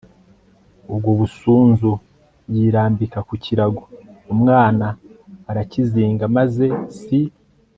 ubwo busunzu yirambika ku kirago umwana arakizinga, maze si